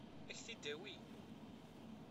Ad k-t-id-tawi?